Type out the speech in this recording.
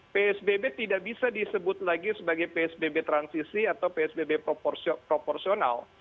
psbb tidak bisa disebut lagi sebagai psbb transisi atau psbb proporsional